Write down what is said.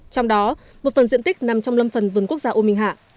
trong đó một phần diện tích nằm trong lâm phần vườn quốc gia u minh hạ